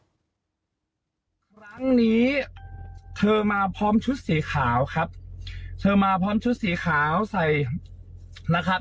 ครั้งนี้เธอมาพร้อมชุดสีขาวครับเธอมาพร้อมชุดสีขาวใส่นะครับ